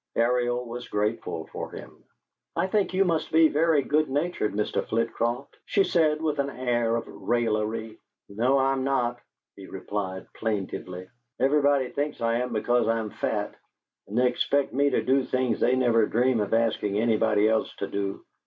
Ariel was grateful for him. "I think you must be very good natured, Mr. Flitcroft," she said, with an air of raillery. "No, I'm not," he replied, plaintively. "Everybody thinks I am because I'm fat, and they expect me to do things they never dream of asking anybody else to do.